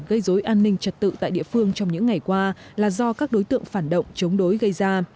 gây dối an ninh trật tự tại địa phương trong những ngày qua là do các đối tượng phản động chống đối gây ra